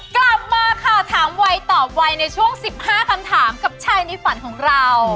กลับมาค่ะถามวัยตอบวัยในช่วง๑๕คำถามกับชายในฝันของเรา